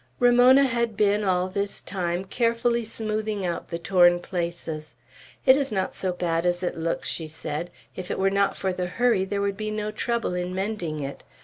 Ramona had been all this time carefully smoothing out the torn places, "It is not so bad as it looks," she said; "if it were not for the hurry, there would be no trouble in mending it.